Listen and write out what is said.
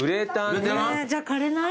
じゃあ枯れない？